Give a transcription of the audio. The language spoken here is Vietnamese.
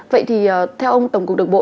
vậy thì theo ông tổng cục đực bộ